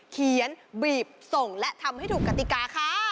เขียนบีบส่งและทำให้ถูกกติกาค่ะ